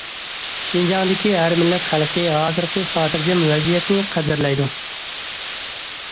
شىنجاڭدىكى ھەر مىللەت خەلقى ھازىرقى خاتىرجەم ۋەزىيەتنى قەدىرلەيدۇ.